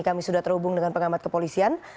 kami sudah terhubung dengan pengamat kepolisian